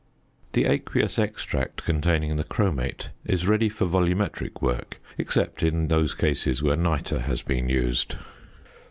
The aqueous extract containing the chromate is ready for volumetric work, except in those cases where nitre has been used.